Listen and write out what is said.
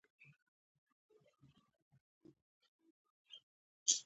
احمد د پيل په غوږ کې ويده دی؛ هيڅ مالومات نه لري.